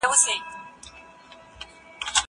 زه اجازه لرم چي د کتابتون کتابونه لوستل کړم!.